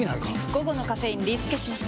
午後のカフェインリスケします！